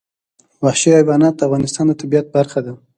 وحشي حیوانات د افغانستان د طبیعت برخه ده.